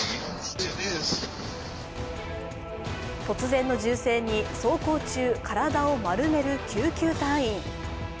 突然の銃声に走行中、体を丸める救急隊員。